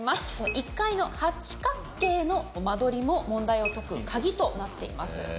１階の八角形の間取りも問題を解く鍵となっています。